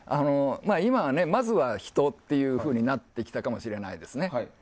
今は、まずは人っていうふうになってきたかもしれないですね。